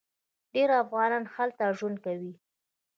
ډیر افغانان هلته ژوند کوي.